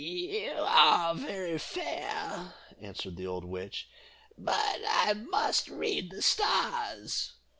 '" "You are very fair," answered the old witch, "but I must read the stars."